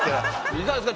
いかがですか？